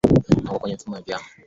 a uko kwenye mifumo wa viama vingi